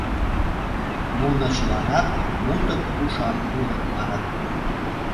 Нуно чыланат мутык ушан улыт, маныт.